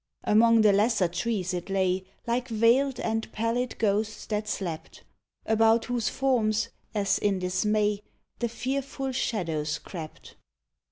Among the lesser trees it lay Like veiled and pallid ghosts that slept, About whose forms, as in dismay, The fearful shadows crept.